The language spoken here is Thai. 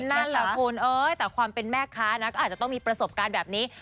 นั่นแหละคุณเอ้ยแต่ความเป็นแม่ค้านะก็อาจจะต้องมีประสบการณ์แบบนี้